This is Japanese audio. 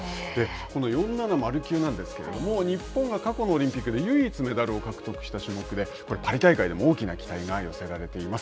この４７０級なんですけれども日本が過去のオリンピックで唯一メダルを獲得した種目でパリ大会でも大きな期待が寄せられています。